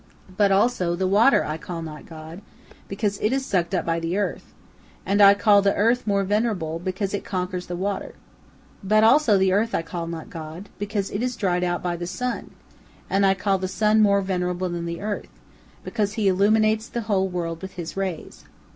But also the water I call not god, because it is sucked up by the earth, and I call the earth more venerable, because it conquers the water. But also the earth I call not god, because it is dried out by the sun, and I call the sun more venerable than the earth, because he illumines the whole world with his rays.